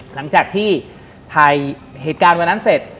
หลังจากที่ถ่ายเหตุการณ์วันนั้นเสร็จ